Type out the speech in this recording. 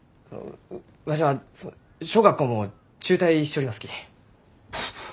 わしは小学校も中退しちょりますき。